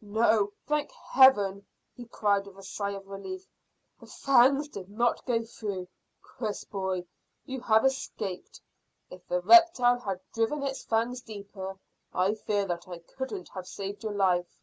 "No! Thank Heaven!" he cried, with a sigh of relief. "The fangs did not go through. Chris, boy, you have escaped. If the reptile had driven its fangs deeper, I fear that I couldn't have saved your life."